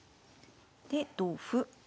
で同歩。